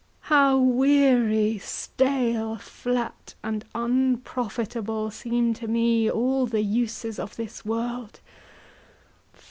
How weary, stale, flat, and unprofitable Seem to me all the uses of this world!